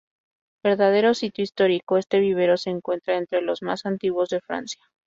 Verdadero sitio histórico, este vivero se encuentra entre los más antiguos de Francia.